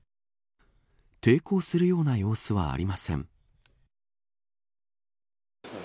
抵抗するような様子はありません。